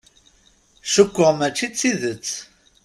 Cukkeɣ mačči d tidett.